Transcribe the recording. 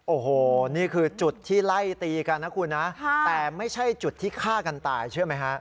โอ้โหนี่คือจุดที่ไล่ตีกันนะคุณนะแต่ไม่ใช่จุดที่ฆ่ากันตายเชื่อไหมฮะ